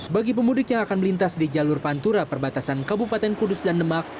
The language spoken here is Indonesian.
bagi pemudik yang akan melintas di jalur pantura perbatasan kabupaten kudus dan demak